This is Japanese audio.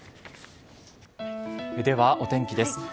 ではお天気です。